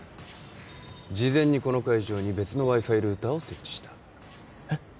事前にこの会場に別のＷｉ−Ｆｉルーターを設置したえっ？